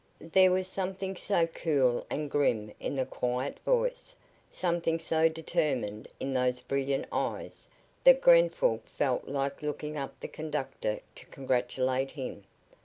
There was something so cool and grim in the quiet voice, something so determined in those brilliant eyes, that Grenfall felt like looking up the conductor to congratulate him.